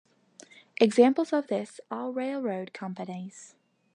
Examples of this are railroad companies.